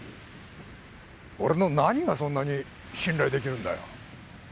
俺の何がそんなに信頼できるんだよ？